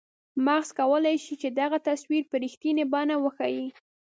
مغز کولای شي چې دغه تصویر په رښتنیې بڼه وښیي.